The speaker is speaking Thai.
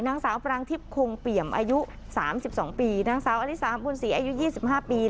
นางสาวพรางทิพย์คงเปี่ยมอายุสามสิบสองปีนางสาวอลิสามบุญศรีอายุยี่สิบห้าปี